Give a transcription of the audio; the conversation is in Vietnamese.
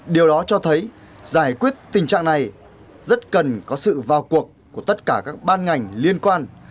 điều đó cho thấy giải quyết tình trạng này rất cần có sự vào cuộc của tất cả các ban ngành liên quan